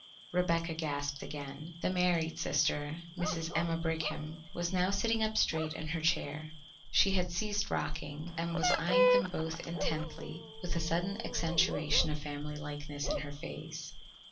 Rebecca gasped again. The married sister, Mrs. Emma Brigham, was now sitting up straight in her chair; she had ceased rocking, and was eyeing them both intently with a sudden accentuation of family likeness in her face.